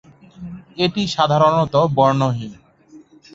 এটি সাধারণত বর্ণহীন।